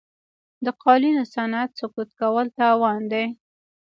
د قالینو صنعت سقوط کول تاوان دی.